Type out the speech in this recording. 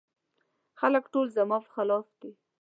خلګ ټول زما په خلاف دي.